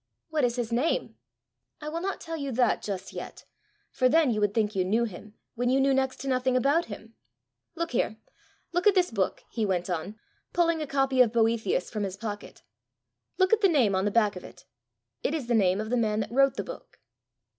"What is his name?" "I will not tell you that just yet; for then you would think you knew him, when you knew next to nothing about him. Look here; look at this book," he went on, pulling a copy of Boethius from his pocket; "look at the name on the back of it: it is the name of the man that wrote the book."